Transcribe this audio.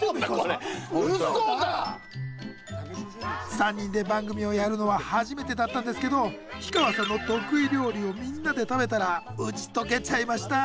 ３人で番組をやるのは初めてだったんですけど氷川さんの得意料理をみんなで食べたら打ち解けちゃいました。